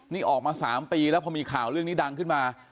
นี่ออกมา๓ปีแล้วพอมีข่าวเรื่องนี้ดังขึ้นมา